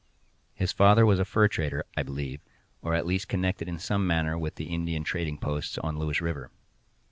His father was a fur trader, I believe, or at least connected in some manner with the Indian trading posts on Lewis river.